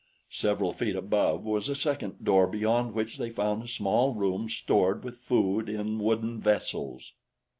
Several feet above was a second door beyond which they found a small room stored with food in wooden vessels.